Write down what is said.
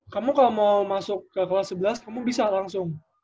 kamu kalau mau masuk ke kelas sebelas kamu bisa langsung